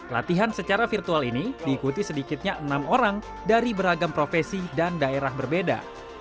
latihan secara virtual ini diikuti sedikitnya enam orang dari beragam profesi dan daerah berbeda